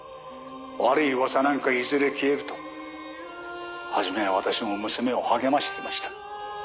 悪い噂なんかいずれ消えると初めは私も娘を励ましていました。